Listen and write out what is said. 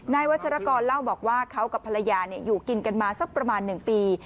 วัชรกรเล่าบอกว่าเขากับภรรยาอยู่กินกันมาสักประมาณ๑ปี